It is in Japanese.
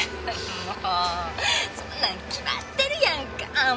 もうそんなん決まってるやんかもう！